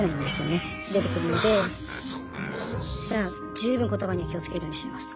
十分言葉に気をつけるようにしてました。